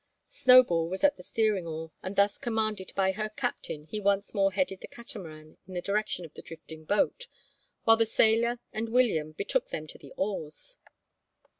Snowball was at the steering oar, and, thus commanded by her captain, he once more headed the Catamaran in the direction of the drifting boat, while the sailor and William betook them to the oars.